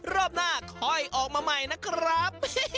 รอบหน้าค่อยออกมาใหม่นะครับ